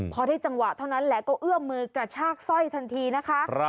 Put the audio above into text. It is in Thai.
พอได้จังหวะเท่านั้นแหละก็เอื้อมมือกระชากสร้อยทันทีนะคะ